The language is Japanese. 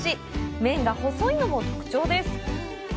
麺が細いのも特徴です。